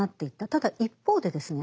ただ一方でですね